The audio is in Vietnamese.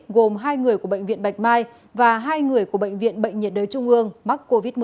gồm hai người của bệnh viện bạch mai và hai người của bệnh viện bệnh nhiệt đới trung ương mắc covid một mươi chín